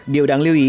điều đáng lưu ý